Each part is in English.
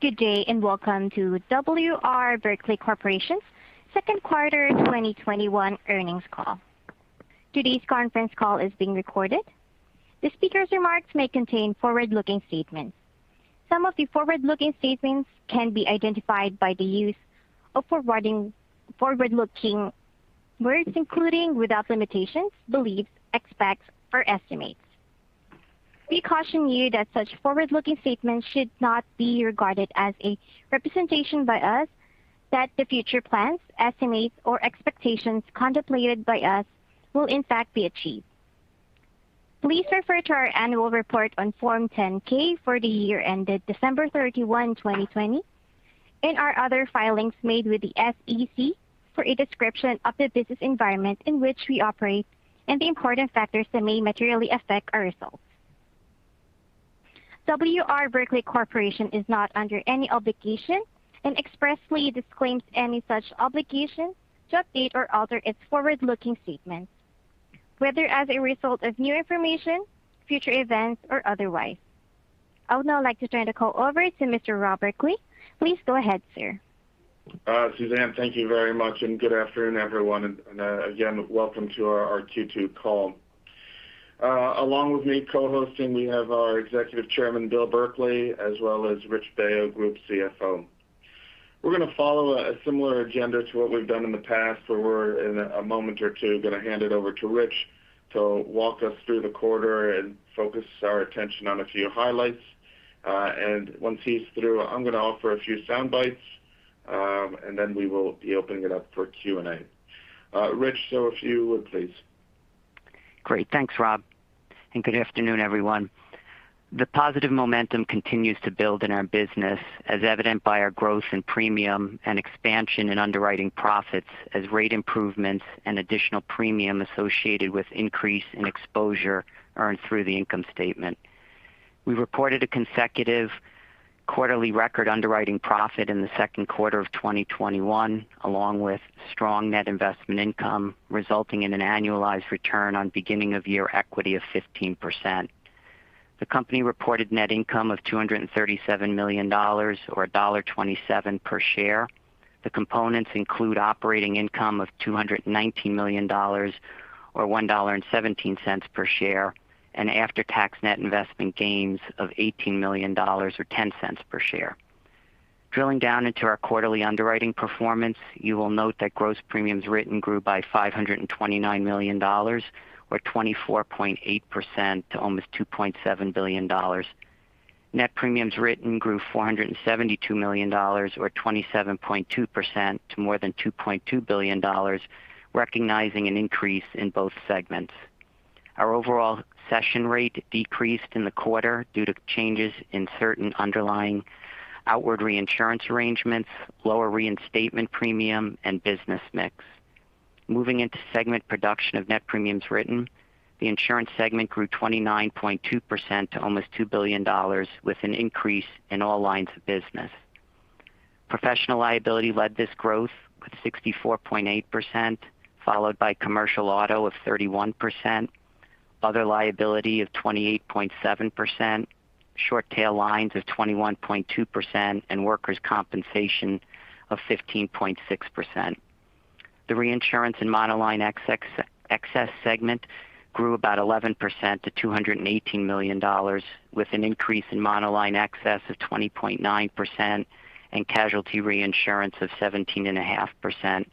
Good day, and welcome to W. R. Berkley Corporation's Q2 2021 earnings call. Today's conference call is being recorded. The speaker's remarks may contain forward-looking statements. Some of the forward-looking statements can be identified by the use of forward-looking words, including, without limitations, beliefs, expects, or estimates. We caution you that such forward-looking statements should not be regarded as a representation by us that the future plans, estimates, or expectations contemplated by us will in fact be achieved. Please refer to our annual report on Form 10-K for the year ended December 31st, 2020, and our other filings made with the SEC for a description of the business environment in which we operate and the important factors that may materially affect our results. Berkley Corporation is not under any obligation, and expressly disclaims any such obligation, to update or alter its forward-looking statements, whether as a result of new information, future events, or otherwise. I would now like to turn the call over to Mr. Rob Berkley. Please go ahead, sir. Suzanne, thank you very much. Good afternoon, everyone. Again, welcome to our Q2 call. Along with me co-hosting, we have our Executive Chairman, Bill Berkley, as well as Rich Baio, Group CFO. We're going to follow a similar agenda to what we've done in the past, where in a moment or two, going to hand it over to Rich to walk us through the quarter and focus our attention on a few highlights. Once he's through, I'm going to offer a few soundbites, then we will be opening it up for Q&A. Rich, if you would, please. Great. Thanks, Rob, good afternoon, everyone. The positive momentum continues to build in our business, as evident by our growth in premium and expansion in underwriting profits as rate improvements and additional premium associated with increase in exposure earned through the income statement. We reported a consecutive quarterly record underwriting profit in the Q2 of 2021, along with strong net investment income, resulting in an annualized return on beginning of year equity of 15%. The company reported net income of $237 million, or $1.27 per share. The components include operating income of $219 million, or $1.17 per share, and after-tax net investment gains of $18 million, or $0.10 per share. Drilling down into our quarterly underwriting performance, you will note that gross premiums written grew by $529 million, or 24.8% to almost $2.7 billion. Net premiums written grew $472 million, or 27.2% to more than $2.2 billion, recognizing an increase in both segments. Our overall cession rate decreased in the quarter due to changes in certain underlying outward reinsurance arrangements, lower reinstatement premium, and business mix. Moving into segment production of net premiums written, the insurance segment grew 29.2% to almost $2 billion with an increase in all lines of business. Professional liability led this growth with 64.8%, followed by commercial auto of 31%, other liability of 28.7%, short tail lines of 21.2%, and workers' compensation of 15.6%. The reinsurance in monoline excess segment grew about 11% to $218 million, with an increase in monoline excess of 20.9% and casualty reinsurance of 17.5%,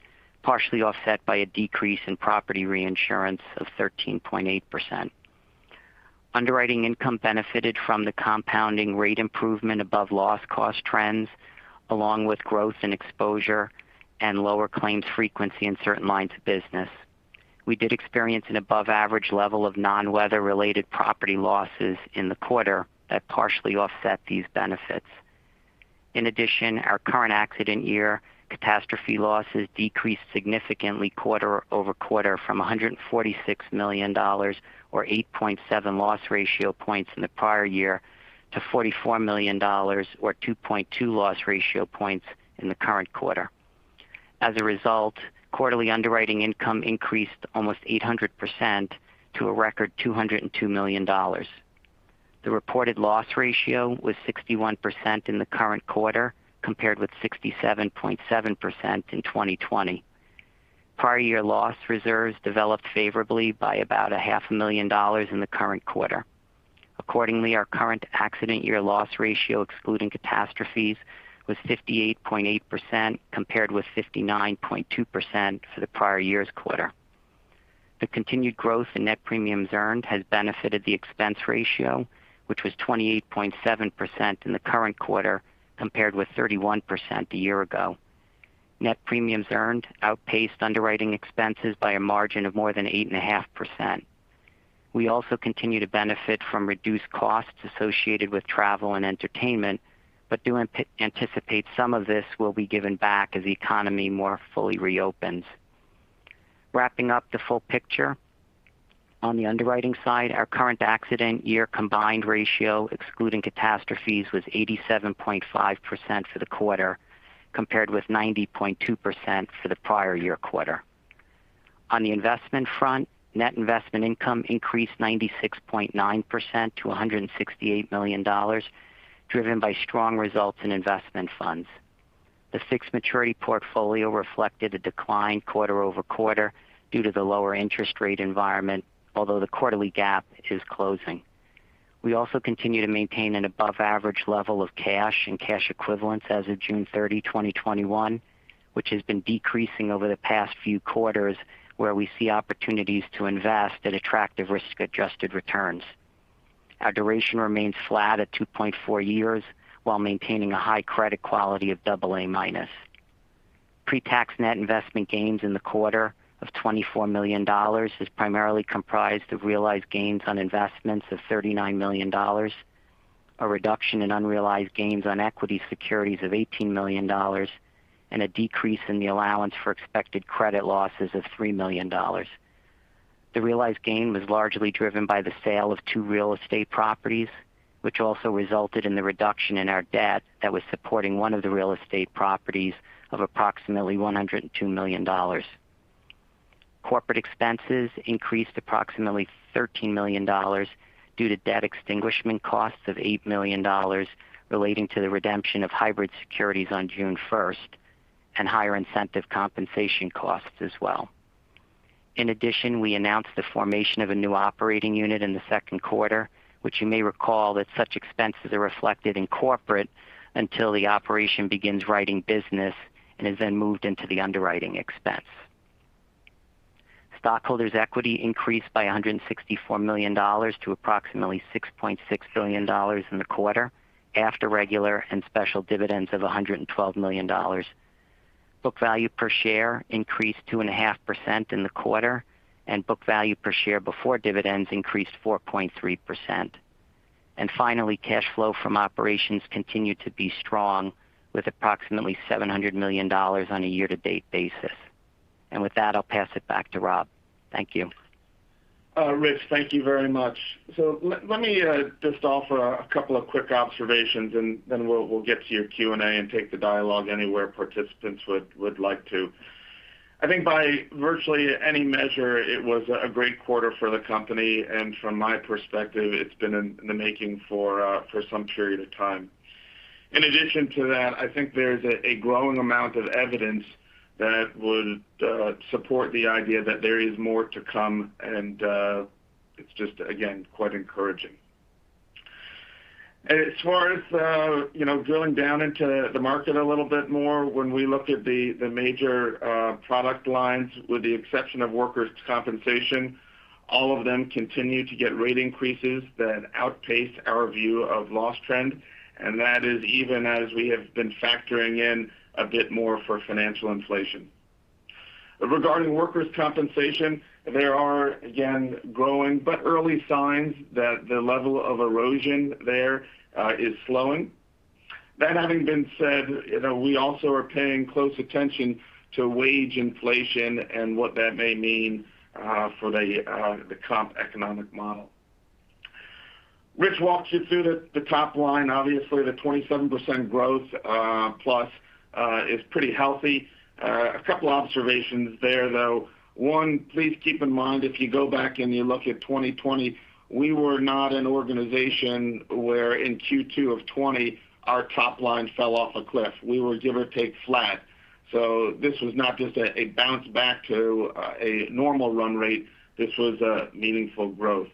partially offset by a decrease in property reinsurance of 13.8%. Underwriting income benefited from the compounding rate improvement above loss cost trends, along with growth in exposure and lower claims frequency in certain lines of business. We did experience an above average level of non-weather related property losses in the quarter that partially offset these benefits. In addition, our current accident year catastrophe losses decreased significantly quarter-over-quarter from $146 million or 8.7 loss ratio points in the prior year to $44 million or 2.2 loss ratio points in the current quarter. As a result, quarterly underwriting income increased almost 800% to a record $202 million. The reported loss ratio was 61% in the current quarter, compared with 67.7% in 2020. Prior year loss reserves developed favorably by about a half a million dollars in the current quarter. Accordingly, our current accident year loss ratio, excluding catastrophes, was 58.8%, compared with 59.2% for the prior year's quarter. The continued growth in net premiums earned has benefited the expense ratio, which was 28.7% in the current quarter, compared with 31% a year ago. Net premiums earned outpaced underwriting expenses by a margin of more than 8.5%. We also continue to benefit from reduced costs associated with travel and entertainment, but do anticipate some of this will be given back as the economy more fully reopens. Wrapping up the full picture, on the underwriting side, our current accident year combined ratio, excluding catastrophes, was 87.5% for the quarter, compared with 90.2% for the prior year quarter. On the investment front, net investment income increased 96.9% to $168 million, driven by strong results in investment funds. The fixed maturity portfolio reflected a decline quarter-over-quarter due to the lower interest rate environment, although the quarterly gap is closing. We also continue to maintain an above-average level of cash and cash equivalents as of June 30, 2021, which has been decreasing over the past few quarters, where we see opportunities to invest at attractive risk-adjusted returns. Our duration remains flat at 2.4 years, while maintaining a high credit quality of AA-. Pre-tax net investment gains in the quarter of $24 million is primarily comprised of realized gains on investments of $39 million, a reduction in unrealized gains on equity securities of $18 million, and a decrease in the allowance for expected credit losses of $3 million. The realized gain was largely driven by the sale of two real estate properties, which also resulted in the reduction in our debt that was supporting one of the real estate properties of approximately $102 million. Corporate expenses increased approximately $13 million due to debt extinguishment costs of $8 million relating to the redemption of hybrid securities on June 1st, and higher incentive compensation costs as well. In addition, we announced the formation of a new operating unit in the Q2, which you may recall that such expenses are reflected in corporate until the operation begins writing business and is then moved into the underwriting expense. Stockholders' equity increased by $164 million to approximately $6.6 billion in the quarter after regular and special dividends of $112 million. Book value per share increased 2.5% in the quarter, and book value per share before dividends increased 4.3%. Finally, cash flow from operations continued to be strong with approximately $700 million on a year-to-date basis. With that, I'll pass it back to Rob. Thank you. Rich, thank you very much. Let me just offer a couple of quick observations, and then we'll get to your Q&A and take the dialogue anywhere participants would like to. I think by virtually any measure, it was a great quarter for the company, and from my perspective, it's been in the making for some period of time. In addition to that, I think there's a growing amount of evidence that would support the idea that there is more to come, and it's just, again, quite encouraging. As far as drilling down into the market a little bit more, when we look at the major product lines, with the exception of workers' compensation, all of them continue to get rate increases that outpace our view of loss trend, and that is even as we have been factoring in a bit more for financial inflation. Regarding workers' compensation, there are, again, growing but early signs that the level of erosion there is slowing. That having been said, we also are paying close attention to wage inflation and what that may mean for the comp economic model. Rich walked you through the top line. Obviously, the 27% growth plus is pretty healthy. A couple observations there, though. One, please keep in mind, if you go back and you look at 2020, we were not an organization where in Q2 of '20, our top line fell off a cliff. We were give or take flat. This was not just a bounce back to a normal run rate. This was a meaningful growth.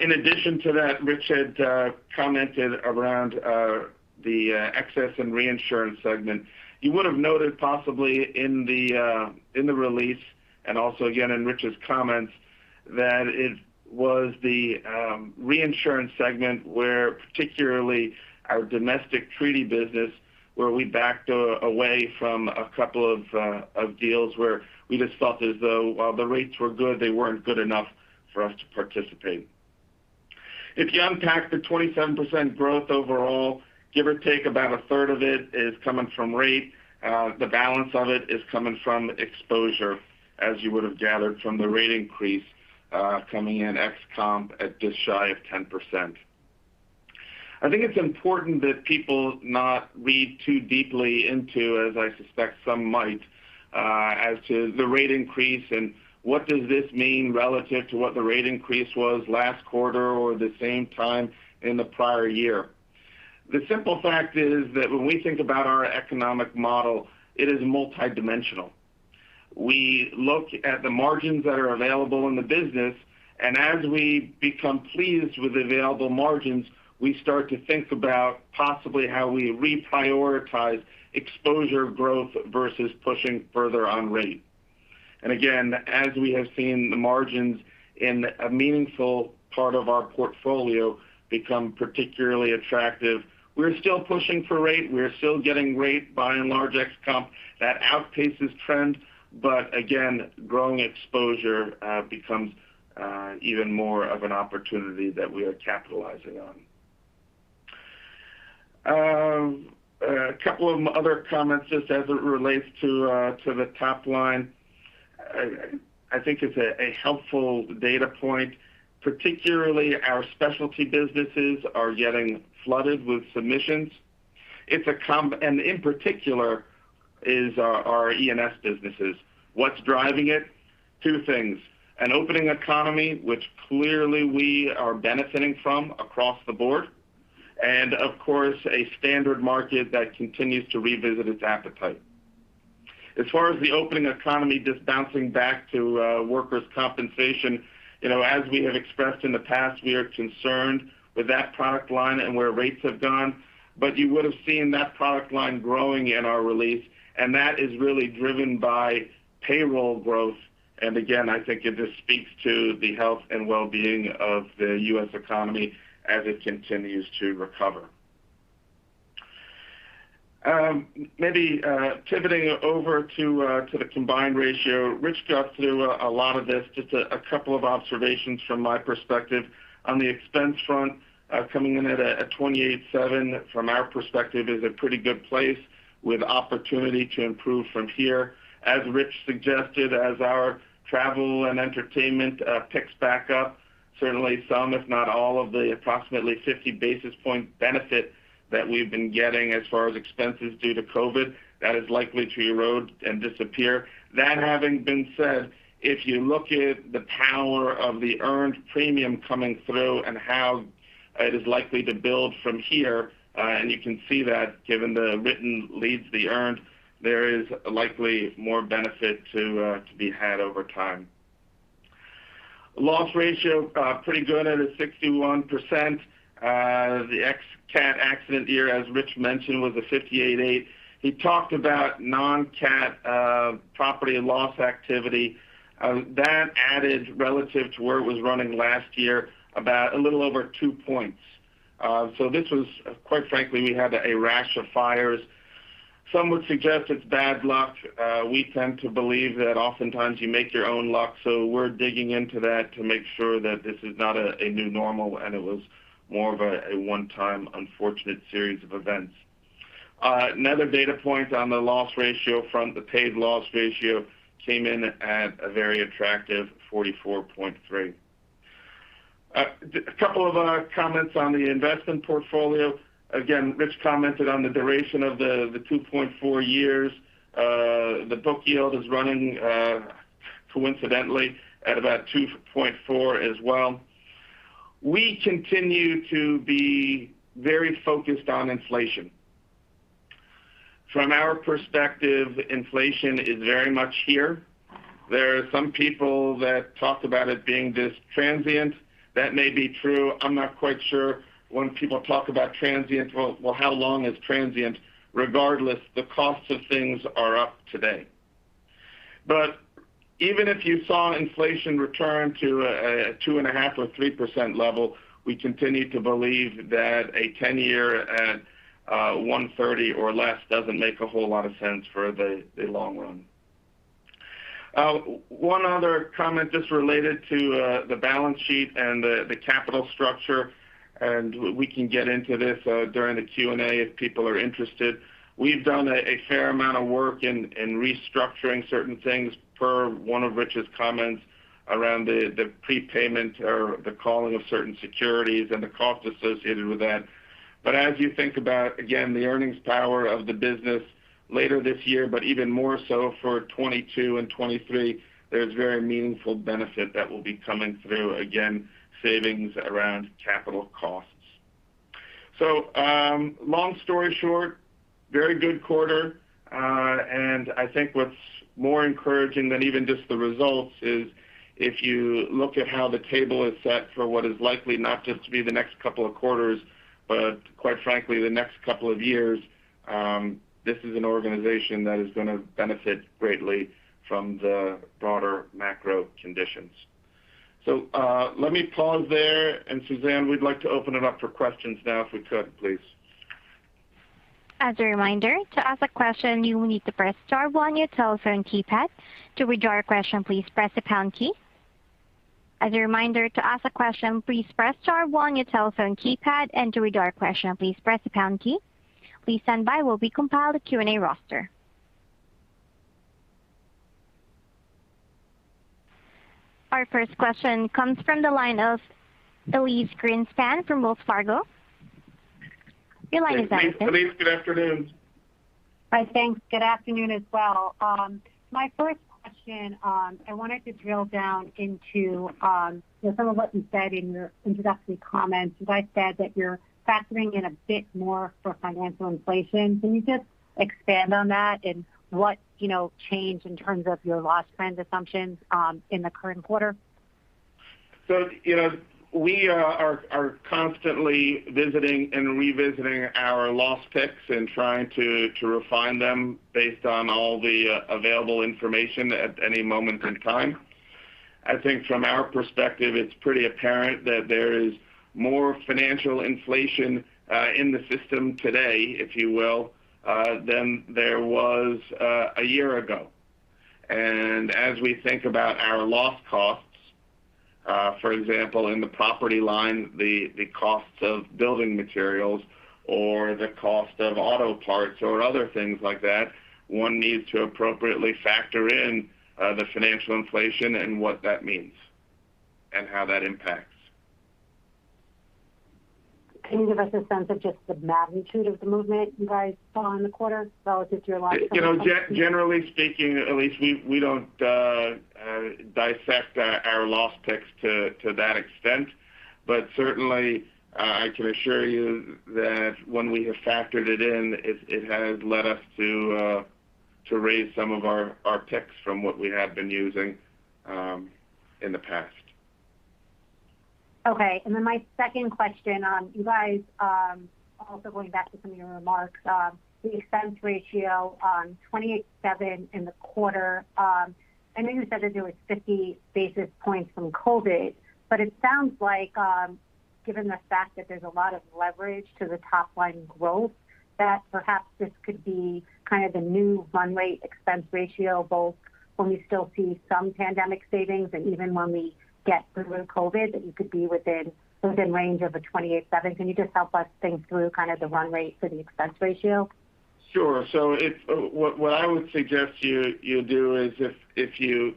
In addition to that, Rich had commented around the excess and reinsurance segment. You would've noted possibly in the release and also again in Rich's comments that it was the reinsurance segment where particularly our domestic treaty business, where we backed away from a couple of deals where we just felt as though while the rates were good, they weren't good enough for us to participate. If you unpack the 27% growth overall, give or take about a third of it is coming from rate. The balance of it is coming from exposure, as you would've gathered from the rate increase coming in ex comp at just shy of 10%. I think it's important that people not read too deeply into, as I suspect some might, as to the rate increase and what does this mean relative to what the rate increase was last quarter or the same time in the prior year. The simple fact is that when we think about our economic model, it is multidimensional. We look at the margins that are available in the business, and as we become pleased with available margins, we start to think about possibly how we reprioritize exposure growth versus pushing further on rate. Again, as we have seen the margins in a meaningful part of our portfolio become particularly attractive, we're still pushing for rate. We're still getting rate by and large ex comp that outpaces trend, but again, growing exposure becomes even more of an opportunity that we are capitalizing on. A couple of other comments just as it relates to the top line. I think it's a helpful data point. Particularly our specialty businesses are getting flooded with submissions. In particular is our E&S businesses. What's driving it? Two things, an opening economy, which clearly we are benefiting from across the board, and of course, a standard market that continues to revisit its appetite. As far as the opening economy, just bouncing back to workers' compensation, as we have expressed in the past, we are concerned with that product line and where rates have gone. You would've seen that product line growing in our release, and that is really driven by payroll growth. Again, I think it just speaks to the health and wellbeing of the U.S. economy as it continues to recover. Maybe pivoting over to the combined ratio, Rich got through a lot of this, just a couple of observations from my perspective. On the expense front, coming in at a 28.7% from our perspective is a pretty good place with opportunity to improve from here. As Rich suggested, as our travel and entertainment picks back up, certainly some, if not all of the approximately 50 basis point benefit that we've been getting as far as expenses due to COVID, that is likely to erode and disappear. That having been said, if you look at the power of the earned premium coming through and how it is likely to build from here, you can see that given the written leads the earned, there is likely more benefit to be had over time. loss ratio, pretty good at a 61%. The ex-CAT accident year, as Rich mentioned, was a 58.8. He talked about non-CAT property and loss activity. That added relative to where it was running last year, about a little over two points. This was, quite frankly, we had a rash of fires. Some would suggest it's bad luck. We tend to believe that oftentimes you make your own luck, so we're digging into that to make sure that this is not a new normal, and it was more of a one-time unfortunate series of events. Another data point on the loss ratio front, the paid loss ratio came in at a very attractive 44.3%. A couple of comments on the investment portfolio. Again, Rich commented on the duration of the 2.4 years. The book yield is running, coincidentally, at about 2.4 as well. We continue to be very focused on inflation. From our perspective, inflation is very much here. There are some people that talk about it being this transient. That may be true. I'm not quite sure when people talk about transient, well, how long is transient? Regardless, the costs of things are up today. Even if you saw inflation return to a 2.5% or 3% level, we continue to believe that a 10-year at 130 or less doesn't make a whole lot of sense for the long run. One other comment just related to the balance sheet and the capital structure, and we can get into this during the Q&A if people are interested. We've done a fair amount of work in restructuring certain things, per one of Rich's comments around the prepayment or the calling of certain securities and the cost associated with that. As you think about, again, the earnings power of the business later this year, even more so for '22 and '23, there's very meaningful benefit that will be coming through, again, savings around capital costs. Long story short, very good quarter. I think what's more encouraging than even just the results is if you look at how the table is set for what is likely not just to be the next couple of quarters, but quite frankly, the next couple of years, this is an organization that is going to benefit greatly from the broader macro conditions. Let me pause there, and Suzanne, we'd like to open it up for questions now if we could, please. As a reminder, to ask a question, please press star one on your telephone keypad. To withdraw your question, please press the pound key. Please stand by while we compile the Q&A roster. Our first question comes from the line of Elyse Greenspan from Wells Fargo. Your line is open. Elyse, good afternoon. Hi, thanks. Good afternoon as well. My first question, I wanted to drill down into some of what you said in your introductory comments. You guys said that you're factoring in a bit more for financial inflation. Can you just expand on that what changed in terms of your loss trend assumptions in the current quarter? We are constantly visiting and revisiting our loss picks and trying to refine them based on all the available information at any moment in time. I think from our perspective, it's pretty apparent that there is more financial inflation in the system today, if you will, than there was a year ago. As we think about our loss costs, for example, in the property line, the costs of building materials or the cost of auto parts or other things like that, one needs to appropriately factor in the financial inflation and what that means. How that impacts. Can you give us a sense of just the magnitude of the movement you guys saw in the quarter relative to your last quarter? Generally speaking, Elyse, we don't dissect our loss picks to that extent. Certainly, I can assure you that when we have factored it in, it has led us to raise some of our picks from what we have been using in the past. Okay. My second question, you guys, also going back to some of your remarks, the expense ratio on 28.7% in the quarter. I know you said that it was 50 basis points from COVID, but it sounds like, given the fact that there's a lot of leverage to the top-line growth, that perhaps this could be kind of the new run rate expense ratio, both when we still see some pandemic savings and even when we get through COVID, that you could be within range of a 28.7%. Can you just help us think through the run rate for the expense ratio? Sure. What I would suggest you do is if you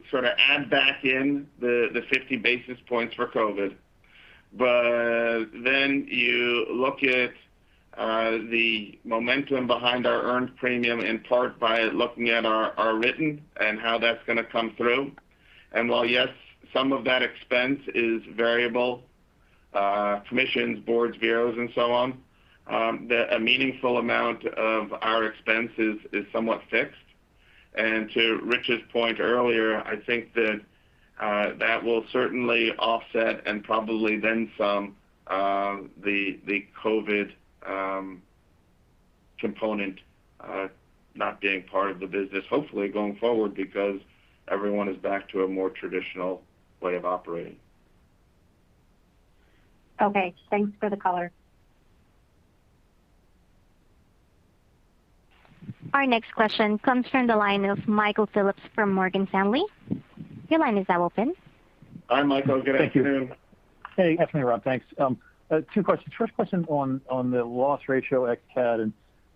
add back in the 50 basis points for COVID, but then you look at the momentum behind our earned premium, in part, by looking at our written and how that's going to come through. While, yes, some of that expense is variable, commissions, boards, bureaus, and so on, that a meaningful amount of our expenses is somewhat fixed. To Rich's point earlier, I think that that will certainly offset, and probably then some, the COVID component not being part of the business, hopefully going forward, because everyone is back to a more traditional way of operating. Okay. Thanks for the color. Our next question comes from the line of Michael Phillips from Morgan Stanley. Your line is now open. Hi, Michael. Good afternoon. Hey. Afternoon, Rob. Thanks. Two questions. First question on the loss ratio ex-cat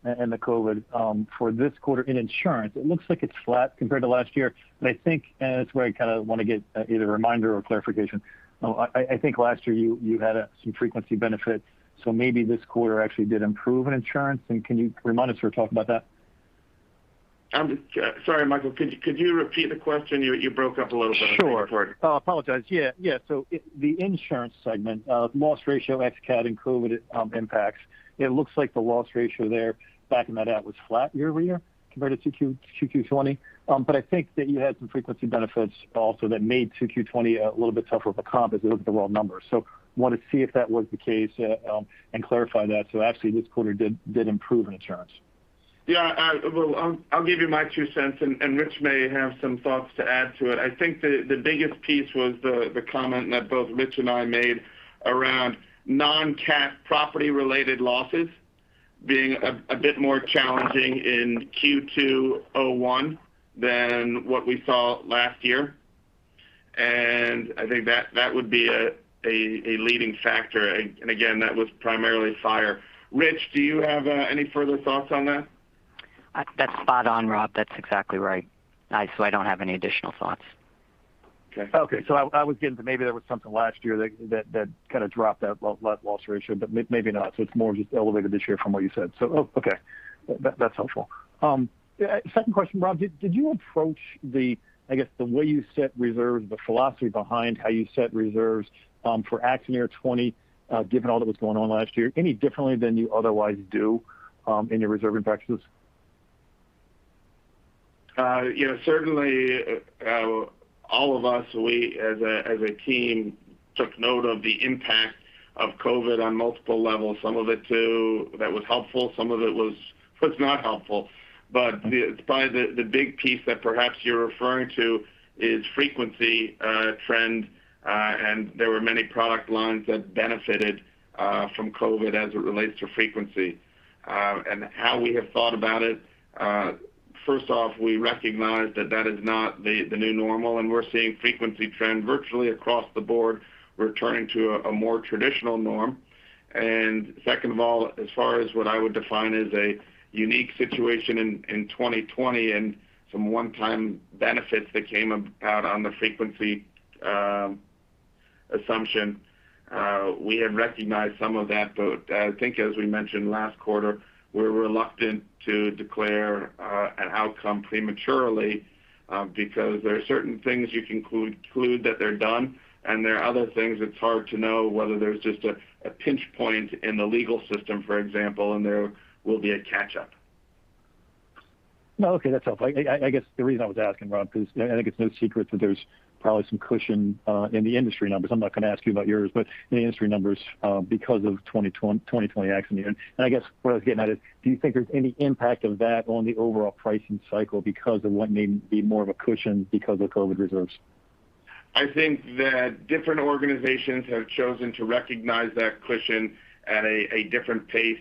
and the COVID. For this quarter in insurance, it looks like it's flat compared to last year, but I think, and that's where I want to get either a reminder or clarification, I think last year you had some frequency benefits, so maybe this quarter actually did improve in insurance. Can you remind us or talk about that? Sorry, Michael, could you repeat the question? You broke up a little bit on the first part. Sure. Oh, apologize. Yeah. The insurance segment of loss ratio ex-cat and COVID impacts, it looks like the loss ratio there, backing that out was flat year-over-year compared to Q2 2020. I think that you had some frequency benefits also that made Q2 2020 a little bit tougher of a comp as it was the raw numbers. Wanted to see if that was the case and clarify that, so actually this quarter did improve in insurance. Yeah. Well, I'll give you my two cents, and Rich may have some thoughts to add to it. I think the biggest piece was the comment that both Rich and I made around non-cat property-related losses being a bit more challenging in Q2 '21 than what we saw last year. I think that would be a leading factor. Again, that was primarily fire. Rich, do you have any further thoughts on that? That's spot on, Rob. That's exactly right. I don't have any additional thoughts. Okay. I was getting to maybe there was something last year that dropped that loss ratio, but maybe not. It's more just elevated this year from what you said. Oh, okay. That's helpful. Second question, Rob, did you approach the way you set reserves, the philosophy behind how you set reserves for accident year 2020, given all that was going on last year, any differently than you otherwise do in your reserving practices? Certainly, all of us, we as a team, took note of the impact of COVID on multiple levels. Some of it too, that was helpful. Some of it was not helpful. Probably the big piece that perhaps you're referring to is frequency trend. There were many product lines that benefited from COVID as it relates to frequency. How we have thought about it, first off, we recognized that that is not the new normal, and we're seeing frequency trend virtually across the board returning to a more traditional norm. Second of all, as far as what I would define as a unique situation in 2020 and some one-time benefits that came about on the frequency assumption, we had recognized some of that. I think as we mentioned last quarter, we're reluctant to declare an outcome prematurely because there are certain things you conclude that they're done, and there are other things it's hard to know whether there's just a pinch point in the legal system, for example, and there will be a catch-up. No, okay, that's helpful. I guess the reason I was asking, Rob, because I think it's no secret that there's probably some cushion in the industry numbers. I'm not going to ask you about yours, but in the industry numbers because of 2020 accident year. I guess what I was getting at is, do you think there's any impact of that on the overall pricing cycle because of what may be more of a cushion because of COVID reserves? I think that different organizations have chosen to recognize that cushion at a different pace.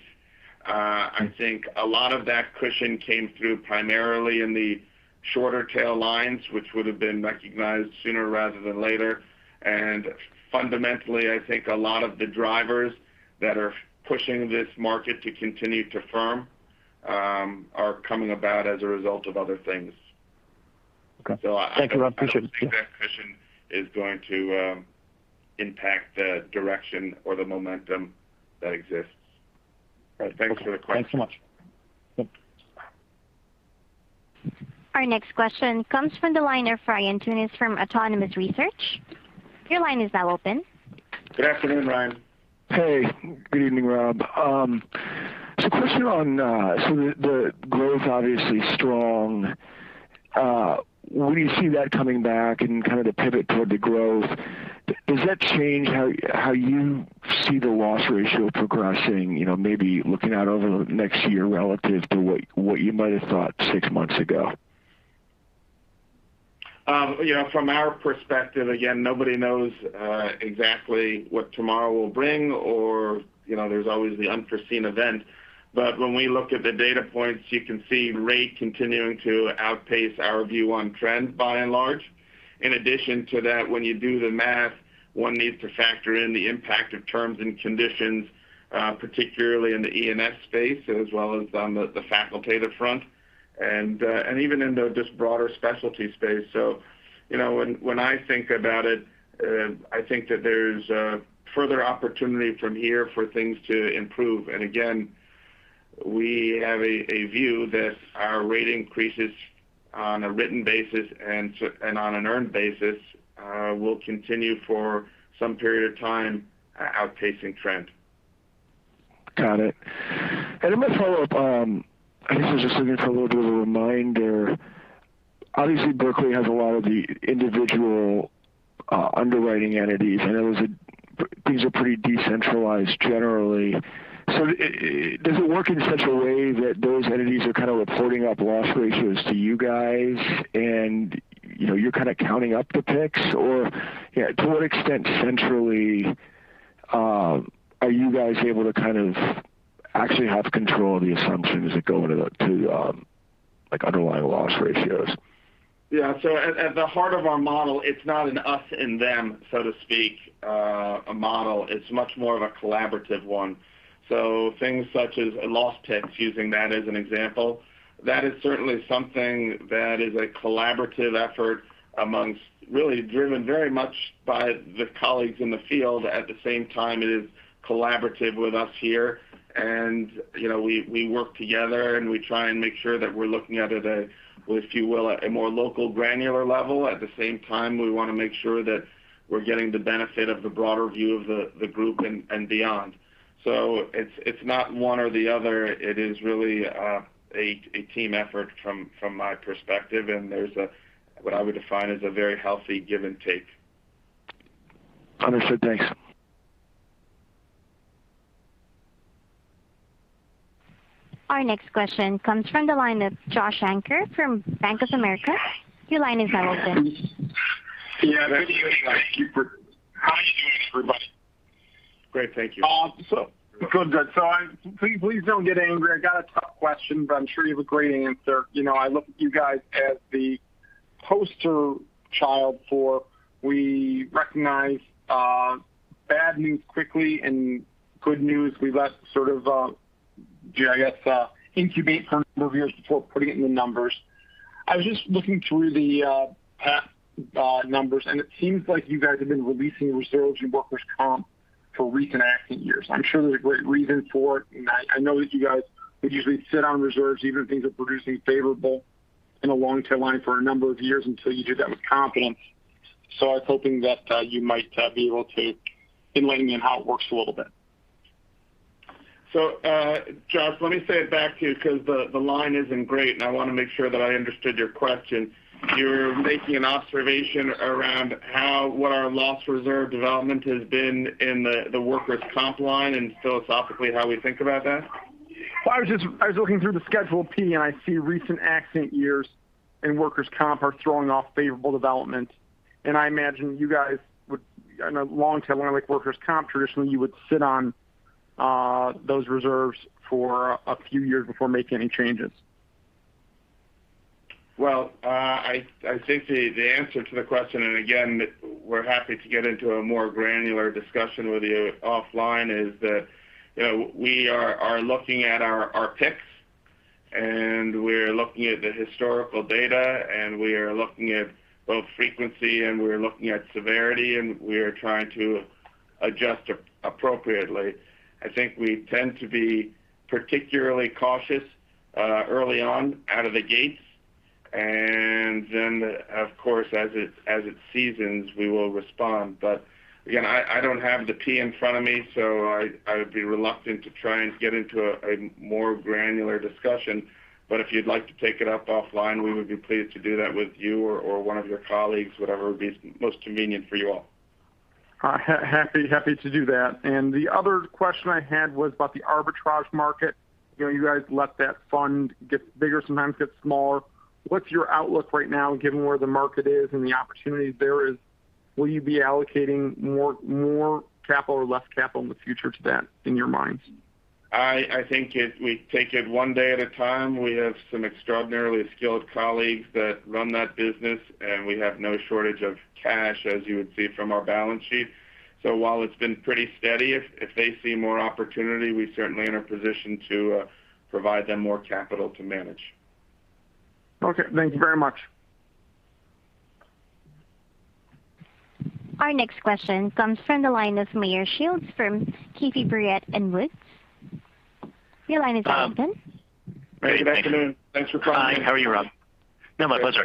I think a lot of that cushion came through primarily in the shorter tail lines, which would've been recognized sooner rather than later. Fundamentally, I think a lot of the drivers that are pushing this market to continue to firm are coming about as a result of other things. Okay. Thank you, Rob, appreciate it. I don't think that question is going to impact the direction or the momentum that exists. Thanks for the question. Thanks so much. Yep. Our next question comes from the line of Ryan Tunis from Autonomous Research. Your line is now open. Good afternoon, Ryan. Hey, good evening, Rob. Question on, so the growth obviously strong. When do you see that coming back and kind of the pivot toward the growth? Does that change how you see the loss ratio progressing? Maybe looking out over the next year relative to what you might've thought six months ago. From our perspective, again, nobody knows exactly what tomorrow will bring or there's always the unforeseen event. When we look at the data points, you can see rate continuing to outpace our view on trends by and large. In addition to that, when you do the math, one needs to factor in the impact of terms and conditions, particularly in the E&S space, as well as on the facilitative front and even in the just broader specialty space. When I think about it, I think that there's further opportunity from here for things to improve. Again, we have a view that our rate increases on a written basis and on an earned basis will continue for some period of time, outpacing trend. Got it. My follow-up, I guess this is just a little bit of a reminder. Obviously, Berkley has a lot of the individual underwriting entities, and those are pretty decentralized generally. Does it work in such a way that those entities are kind of reporting up loss ratios to you guys and you're kind of counting up the picks? Yeah, to what extent centrally are you guys able to kind of actually have control of the assumptions that go into like underlying loss ratios? At the heart of our model, it's not an us and them, so to speak, model. It's much more of a collaborative one. Things such as a loss tick, using that as an example, that is certainly something that is a collaborative effort amongst really driven very much by the colleagues in the field. At the same time, it is collaborative with us here and we work together, and we try and make sure that we're looking at it at a, if you will, a more local granular level. At the same time, we want to make sure that we're getting the benefit of the broader view of the group and beyond. It's not one or the other. It is really a team effort from my perspective, and there's what I would define as a very healthy give and take. Understood. Thanks. Our next question comes from the line of Joshua Shanker from Bank of America. Yeah. Good evening. How are you doing, everybody? Great. Thank you. Awesome. Good. Please don't get angry. I got a tough question. I'm sure you have a great answer. I look at you guys as the poster child for we recognize bad news quickly and good news we let sort of, I guess, incubate for a number of years before putting it in the numbers. I was just looking through the past numbers. It seems like you guys have been releasing reserves in workers' comp for recent accident years. I'm sure there's a great reason for it. I know that you guys would usually sit on reserves even if things are producing favorable in a long tail line for a number of years until you do that with confidence. I was hoping that you might be able to enlighten me on how it works a little bit. Josh Shanker, let me say it back to you because the line isn't great, and I want to make sure that I understood your question. You're making an observation around what our loss reserve development has been in the workers' comp line and philosophically how we think about that? Well, I was looking through the Schedule P and I see recent accident years in workers' comp are throwing off favorable development. I imagine you guys would, in a long tail line like workers' comp, traditionally you would sit on those reserves for a few years before making any changes. Well, I think the answer to the question, and again, we're happy to get into a more granular discussion with you offline, is that we are looking at our risks and we're looking at the historical data, and we are looking at both frequency, and we're looking at severity, and we are trying to adjust appropriately. I think we tend to be particularly cautious early on out of the gates. Then, of course, as it seasons, we will respond. Again, I don't have the P in front of me, so I would be reluctant to try and get into a more granular discussion. If you'd like to take it up offline, we would be pleased to do that with you or one of your colleagues, whatever would be most convenient for you all. Happy to do that. The other question I had was about the arbitrage market. You guys let that fund get bigger, sometimes get smaller. What's your outlook right now, given where the market is and the opportunities there is? Will you be allocating more capital or less capital in the future to that in your minds? I think if we take it one day at a time, we have some extraordinarily skilled colleagues that run that business, and we have no shortage of cash, as you would see from our balance sheet. While it's been pretty steady, if they see more opportunity, we certainly are in a position to provide them more capital to manage. Okay. Thank you very much. Our next question comes from the line of Meyer Shields from Keefe, Bruyette & Woods. Your line is open. Good afternoon. Thanks for calling. Hi, how are you, Rob? No, my pleasure.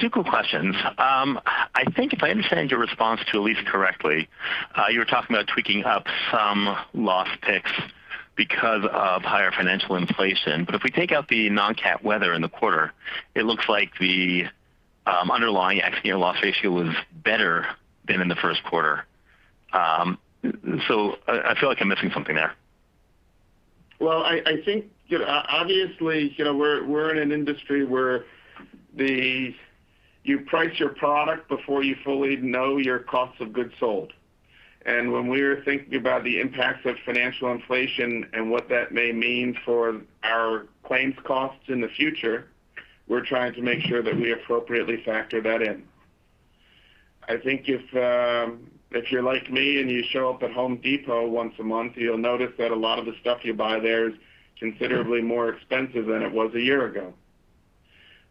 Two quick questions. I think if I understand your response to Elyse correctly, you were talking about tweaking up some loss picks because of higher financial inflation. If we take out the non-cat weather in the quarter, it looks like the underlying accident year loss ratio was better than in the Q1. I feel like I'm missing something there. Well, I think, obviously, we're in an industry where you price your product before you fully know your cost of goods sold. When we're thinking about the impacts of financial inflation and what that may mean for our claims costs in the future, we're trying to make sure that we appropriately factor that in. I think if you're like me and you show up at Home Depot once a month, you'll notice that a lot of the stuff you buy there is considerably more expensive than it was a year ago.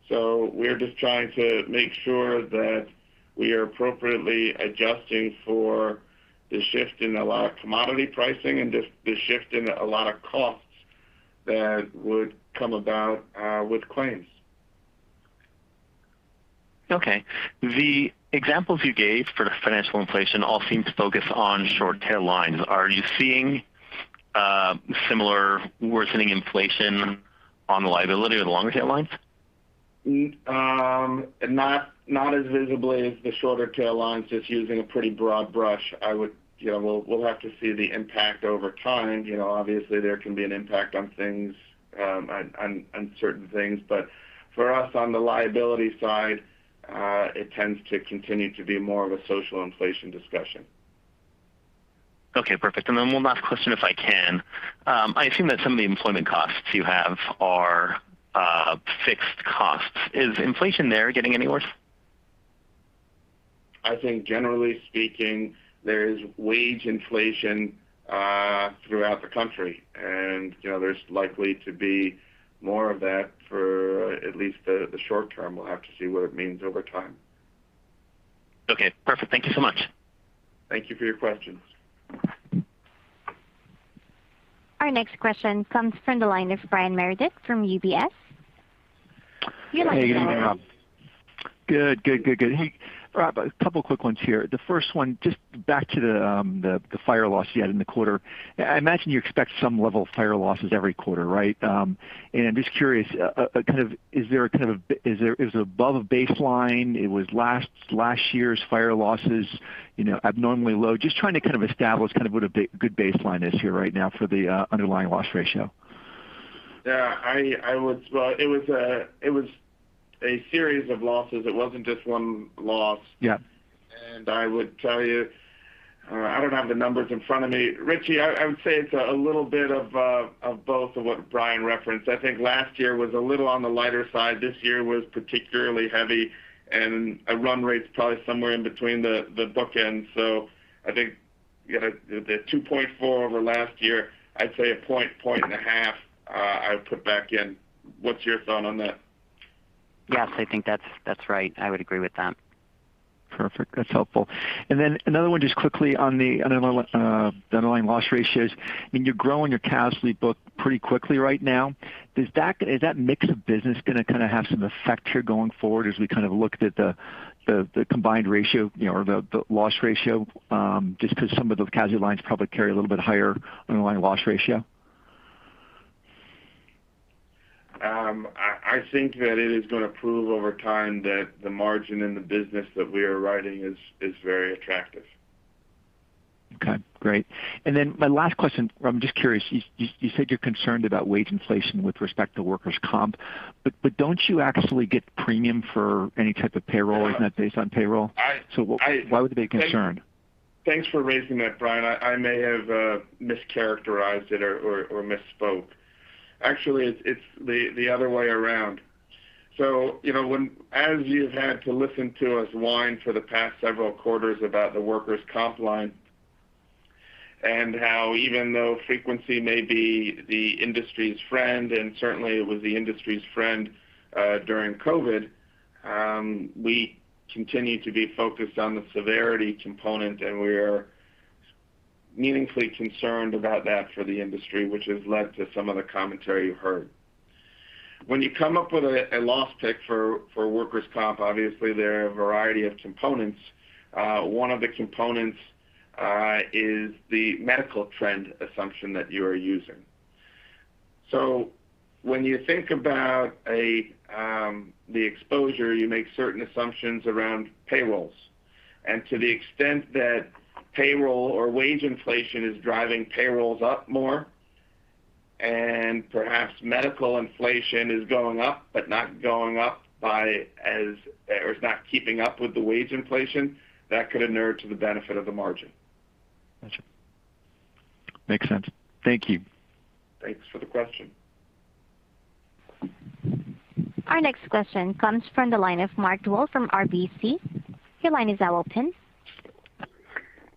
We're just trying to make sure that we are appropriately adjusting for the shift in a lot of commodity pricing and the shift in a lot of costs that would come about with claims. Okay. The examples you gave for financial inflation all seem to focus on short-tail lines. Are you seeing similar worsening inflation on the liability of the longer tail lines? Not as visibly as the shorter tail lines. Just using a pretty broad brush, we'll have to see the impact over time. Obviously, there can be an impact on certain things. For us, on the liability side, it tends to continue to be more of a social inflation discussion. Okay, perfect. One last question, if I can. I assume that some of the employment costs you have are fixed costs. Is inflation there getting any worse? I think generally speaking, there is wage inflation throughout the country, and there's likely to be more of that for at least the short term. We'll have to see what it means over time. Okay, perfect. Thank you so much. Thank you for your questions. Our next question comes from the line of Brian Meredith from UBS. Your line is open. Hey, good evening, Rob. Good. Hey, Rob, a couple quick ones here. The first one, just back to the fire loss you had in the quarter. I imagine you expect some level of fire losses every quarter, right? I'm just curious, is it above baseline? Was last year's fire losses abnormally low? Just trying to establish what a good baseline is here right now for the underlying loss ratio. Yeah, it was a series of losses. It wasn't just one loss. Yeah. I would tell you, I don't have the numbers in front of me. Richie, I would say it's a little bit of both of what Brian referenced. I think last year was a little on the lighter side. This year was particularly heavy, and a run rate's probably somewhere in between the bookends. I think the 2.4 over last year, I'd say 1.5 I would put back in. What's your thought on that? Yes, I think that's right. I would agree with that. Perfect. That's helpful. Then another one just quickly on the underlying loss ratios. You're growing your casualty book pretty quickly right now. Is that mix of business going to have some effect here going forward as we look at the combined ratio or the loss ratio? Just because some of those casualty lines probably carry a little bit higher underlying loss ratio. I think that it is going to prove over time that the margin in the business that we are writing is very attractive. Okay, great. My last question, Rob, I'm just curious. You said you're concerned about wage inflation with respect to workers' comp, don't you actually get premium for any type of payroll? Isn't that based on payroll? Why would it be a concern? Thanks for raising that, Brian. I may have mischaracterized it or misspoke. Actually, it's the other way around. As you've had to listen to us whine for the past several quarters about the workers' comp line and how even though frequency may be the industry's friend, and certainly it was the industry's friend during COVID, we continue to be focused on the severity component, and we are meaningfully concerned about that for the industry, which has led to some of the commentary you've heard. When you come up with a loss pick for workers' comp, obviously, there are a variety of components. One of the components is the medical trend assumption that you are using. When you think about the exposure, you make certain assumptions around payrolls. To the extent that payroll or wage inflation is driving payrolls up more and perhaps medical inflation is going up, but not going up or is not keeping up with the wage inflation, that could inure to the benefit of the margin. Got you. Makes sense. Thank you. Thanks for the question. Our next question comes from the line of Mark Dwelle from RBC. Your line is now open.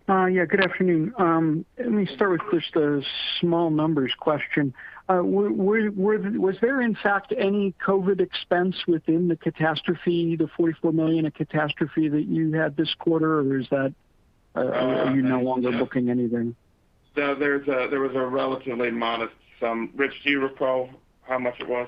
Yeah. Good afternoon. Let me start with just a small numbers question. Was there, in fact, any COVID expense within the catastrophe, the $44 million of catastrophe that you had this quarter? Are you no longer booking anything? There was a relatively modest sum. Rich, do you recall how much it was?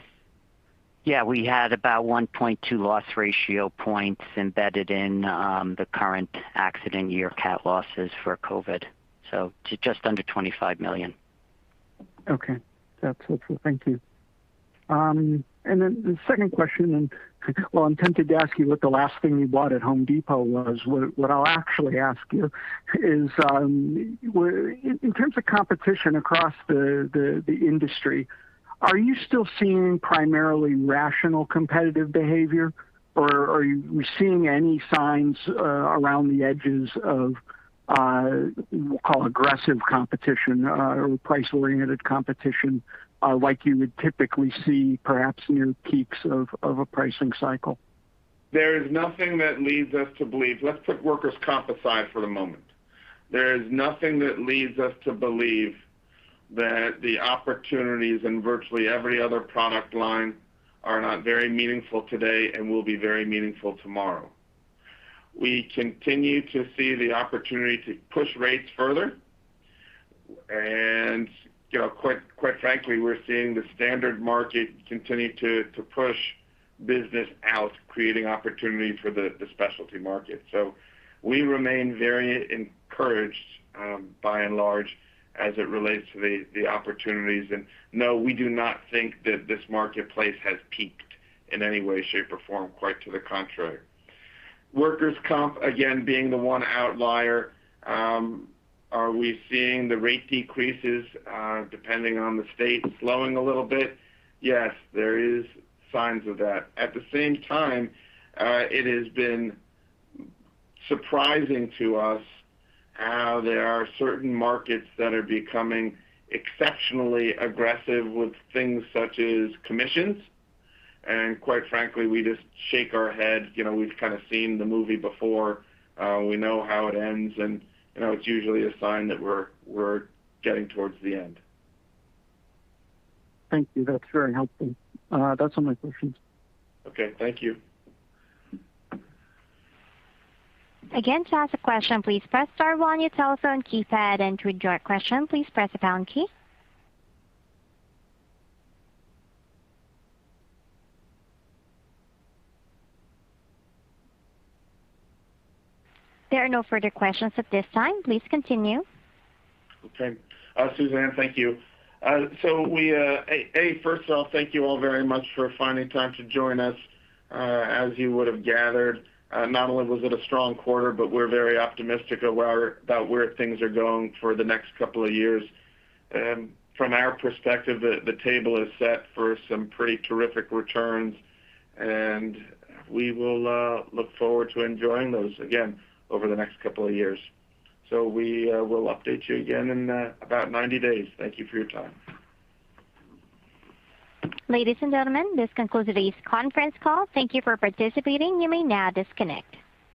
We had about 1.2 loss ratio points embedded in the current accident year cat losses for COVID, to just under $25 million. Okay. That's helpful. Thank you. The second question, and while I'm tempted to ask you what the last thing you bought at Home Depot was, what I'll actually ask you is, in terms of competition across the industry, are you still seeing primarily rational competitive behavior, or are you seeing any signs around the edges of, we'll call aggressive competition or price-oriented competition, like you would typically see perhaps near peaks of a pricing cycle? There is nothing that leads us to believe, let's put workers' comp aside for the moment. There is nothing that leads us to believe that the opportunities in virtually every other product line are not very meaningful today and will be very meaningful tomorrow. We continue to see the opportunity to push rates further. Quite frankly, we're seeing the standard market continue to push business out, creating opportunity for the specialty market. We remain very encouraged, by and large, as it relates to the opportunities. No, we do not think that this marketplace has peaked in any way, shape, or form, quite to the contrary. Workers' comp, again, being the one outlier. Are we seeing the rate decreases, depending on the state, slowing a little bit? Yes, there is signs of that. At the same time, it has been surprising to us how there are certain markets that are becoming exceptionally aggressive with things such as commissions. Quite frankly, we just shake our heads. We've kind of seen the movie before. We know how it ends, and it's usually a sign that we're getting towards the end. Thank you. That's very helpful. That's all my questions. Okay. Thank you. Again, to ask a question, please press star one on your telephone keypad, and to withdraw your question, please press the pound key. There are no further questions at this time. Please continue. Suzanne, thank you. First of all, thank you all very much for finding time to join us. As you would have gathered, not only was it a strong quarter, but we're very optimistic about where things are going for the next couple of years. From our perspective, the table is set for some pretty terrific returns, and we will look forward to enjoying those, again, over the next couple of years. We will update you again in about 90 days. Thank you for your time. Ladies and gentlemen, this concludes today's conference call. Thank you for participating. You may now disconnect.